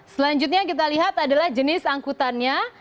selanjutnya kita lihat adalah jenis angkutannya